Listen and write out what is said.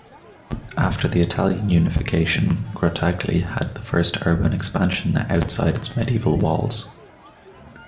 After the Italian unification Grottaglie had the first urban expansion outside its Medieval walls.